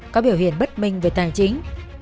có biểu hiện bất minh về tài chính